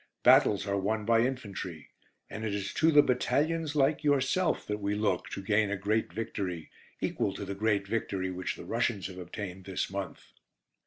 Battles are won by infantry, and it is to the battalions like yourself that we look to gain a great victory, equal to the great victory which the Russians have obtained this month.